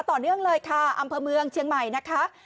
ต่อเนื่องเลยค่ะอำเภอเมืองเชียงใหม่นะคะ